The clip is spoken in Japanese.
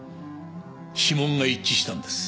指紋が一致したんです。